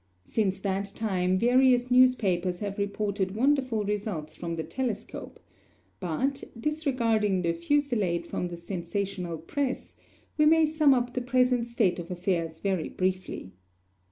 Since that time various newspapers have reported wonderful results from the telescope; but, disregarding the fusillade from the sensational press, we may sum up the present state of affairs very briefly.